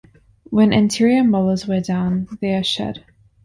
When anterior molars wear down, they are shed.